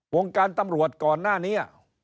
วงการตำรวจก่อนหน้านี้